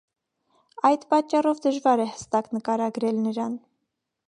Այդ պատճառով դժվար է հստակ նկարագրել նրան։